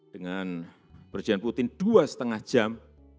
dengan presiden putin dua lima jam